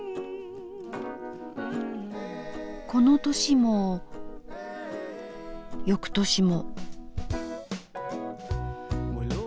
この年も翌年も。